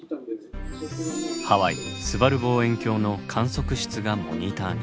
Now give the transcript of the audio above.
ハワイすばる望遠鏡の観測室がモニターに。